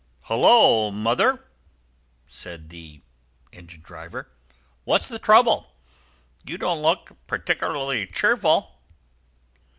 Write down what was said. "Hullo, mother!" said the engine driver, "what's the trouble? You don't look particularly cheerful."